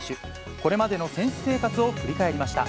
これまでの選手生活を振り返りました。